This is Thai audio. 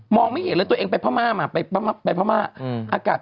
มองไม่เห็นเลยตัวเองไปพระม่ามาไปพระม่า